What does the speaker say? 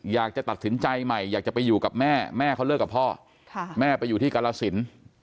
อยากจะตัดสินใจใหม่อยากจะไปอยู่กับแม่แม่เขาเลิกกับพ่อแม่ไปอยู่ที่กรสิน